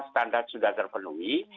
standar sudah terpenuhi